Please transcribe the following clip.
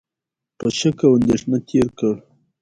په شک او اندېښنه تېر کړ،